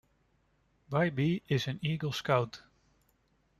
Bybee is an Eagle Scout.